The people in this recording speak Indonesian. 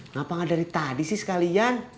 ngapain dari tadi sih sekalian